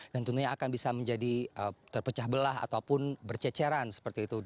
dan tentunya akan bisa menjadi terpecah belah ataupun berceceran seperti itu